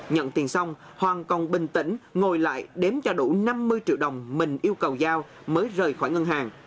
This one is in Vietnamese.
nhận tiền xong hoàng còn bình tĩnh ngồi lại đếm cho đủ năm mươi triệu đồng mình yêu cầu giao mới rời khỏi ngân hàng